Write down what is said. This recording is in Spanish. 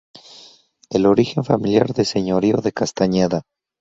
El origen familiar del señorío de Castañeda.